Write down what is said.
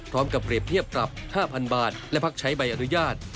พร้อมกับเปรียบเทียบปรับ๕๐๐๐บาทและพักใช้ใบอนุญาต